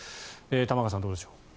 玉川さん、どうでしょう。